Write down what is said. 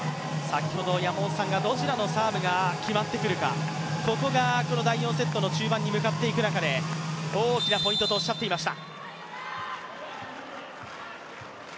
先ほど山本さんが、どちらのサーブが決まってくるか、ここが第４セットの中盤に向かっていく中で大きなポイントとおっしゃっていました。